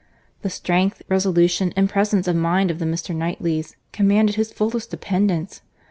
The strength, resolution, and presence of mind of the Mr. Knightleys, commanded his fullest dependence.